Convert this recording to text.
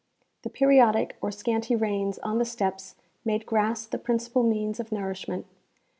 The periodic or scanty rains on the steppes made grass the principal means of nourishment.